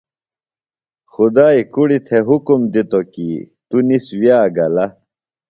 خدائی کُڑیۡ تھےۡ حکم دِتوۡ کی تونِس ویہ گلہ۔